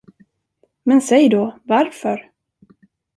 Men säg då, varför!